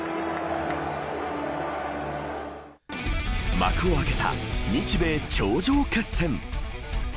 幕を開けた日米頂上決戦。